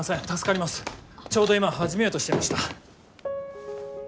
ちょうど今始めようとしていました。